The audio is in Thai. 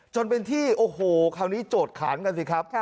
จนเป็นที่คราวนี้โจทย์ขาลกันซิครับ